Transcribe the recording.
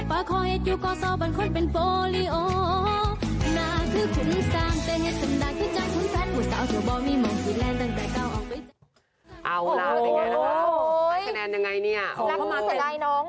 รักหนูแต่ลายน้องเลยอะ